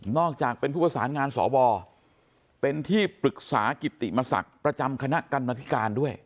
อกจากเป็นผู้ประสานงานสวเป็นที่ปรึกษากิติมศักดิ์ประจำคณะกรรมธิการด้วย